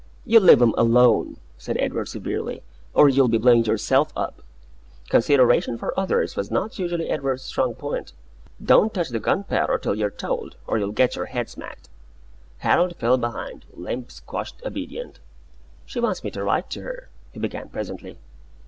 "You leave 'em alone," said Edward, severely, "or you'll be blowing yourself up" (consideration for others was not usually Edward's strong point). "Don't touch the gunpowder till you're told, or you'll get your head smacked." Harold fell behind, limp, squashed, obedient. "She wants me to write to her," he began, presently.